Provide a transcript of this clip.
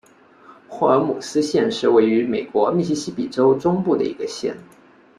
霍尔姆斯县是位于美国密西西比州中部的一个县。